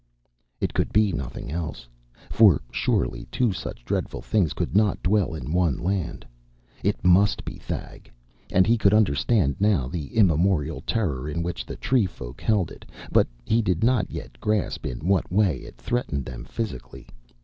It could be nothing else, for surely two such dreadful things could not dwell in one land. It must be Thag, and he could understand now the immemorial terror in which the tree folk held it, but he did not yet grasp in what way it threatened them physically.